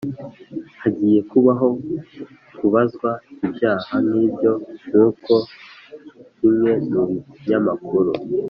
"hagiye kubaho kubazwa" ibyaha nk'ibyo nk'uko kimwe mu binyamakuru